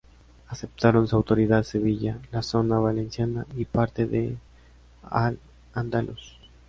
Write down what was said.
Acataron su autoridad Sevilla, la zona valenciana y parte de al-Ándalus.